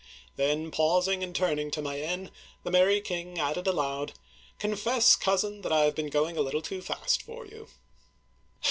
'* Then, pausing and turning to Mayenne, the merry king added aloud, " Confess, cousin, that I have been going a little too fast for you